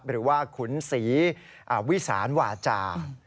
หรือว่าขุนสีวิสานวาจารย์